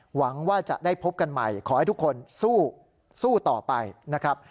หวังว่าจะได้พบกันใหม่ขอให้ทุกคนสู้ต่อไปนะครับ